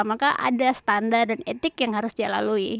maka ada standar dan etik yang harus dia lalui